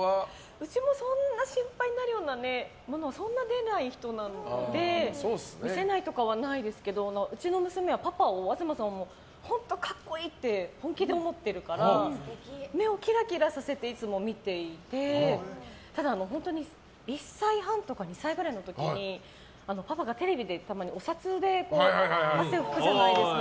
うちもそんなに心配になるようなものはそんなに出ない人なので見せないとかはないですけどうちの娘は東さんを本当に格好いいって本気で思ってるから目をキラキラさせて見ていてただ、本当に１歳半とか２歳ぐらいの時にパパがテレビでお札で汗を拭くじゃないですか。